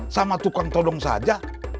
sama tukang tolong saja